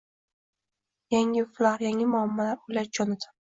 «Yangi ufqlar, yangi muammolar, — o‘yladi Jonatan.